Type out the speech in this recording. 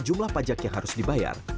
jumlah pajak yang harus dibayar